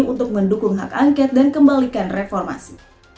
untuk mendukung hak angket dan kembalikan reformasi